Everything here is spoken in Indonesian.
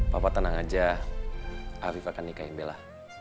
papa tenang aja afif akan nikahin bella